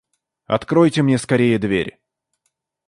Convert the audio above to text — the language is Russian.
Откройте мне скорее дверь.